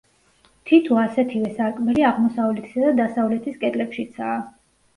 თითო ასეთივე სარკმელი აღმოსავლეთისა და დასავლეთის კედლებშიცაა.